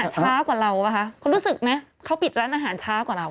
ช้ากว่าเราป่ะคะคุณรู้สึกไหมเขาปิดร้านอาหารช้ากว่าเรา